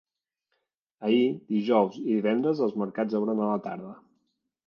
Ahir, dijous i divendres els mercats obren a la tarda.